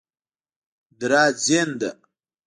دراځینده